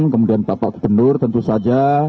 kemudian bapak bapak benur tentu saja